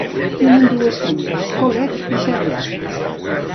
Tenen dues filles, Colette i Charlotte.